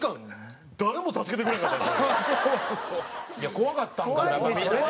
怖かったんかな？